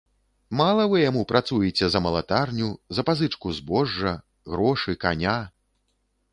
Мала вы яму працуеце за малатарню, за пазычку збожжа, грошы, каня?